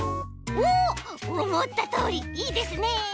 おもったとおりいいですね。